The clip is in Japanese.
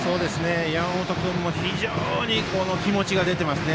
山本君も非常に気持ちが出てますね。